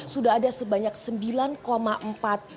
sudah ada sebanyak sembilan empat juta pajak